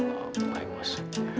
oh baik mas